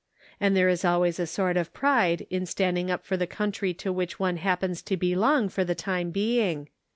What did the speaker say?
And there is always a sort of pride in standing up for the country to which one hap pens to belong for the time being.